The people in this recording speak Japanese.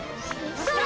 それ！